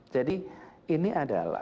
jadi ini adalah